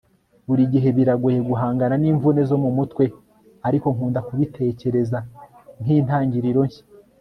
buri gihe biragoye guhangana n'imvune zo mu mutwe, ariko nkunda kubitekereza nkintangiriro nshya